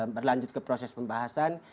berlanjut ke proses pembahasan